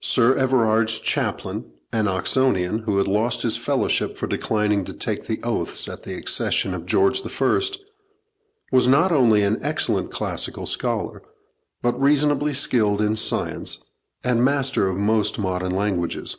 Sir Everard's chaplain, an Oxonian, who had lost his fellowship for declining to take the oaths at the accession of George I, was not only an excellent classical scholar, but reasonably skilled in science, and master of most modern languages.